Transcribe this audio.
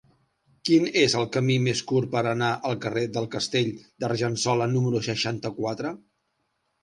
Quin és el camí més curt per anar al carrer del Castell d'Argençola número seixanta-quatre?